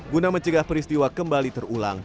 guna mencegah peristiwa kembali terulang